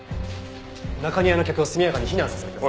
中庭の客を速やかに避難させてください。